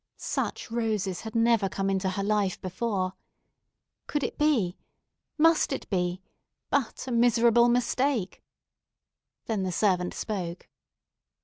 Such roses had never come into her life before. Could it be—must it be—but a miserable mistake? Then the servant spoke.